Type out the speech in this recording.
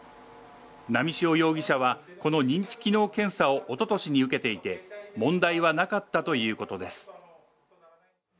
波汐容疑者はこの認知機能検査をおととしに受けていて問題はなかったということです。